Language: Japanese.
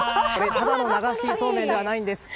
ただの流しそうめんではないんです。